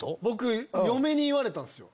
嫁に言われたんすよ。